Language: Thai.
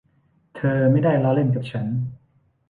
เธอไม่ได้ล้อเล่นกับฉัน